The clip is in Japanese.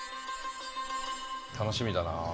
楽しみだな。